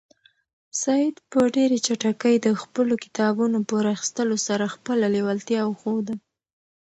سعید په ډېرې چټکۍ د خپلو کتابونو په راخیستلو سره خپله لېوالتیا وښوده.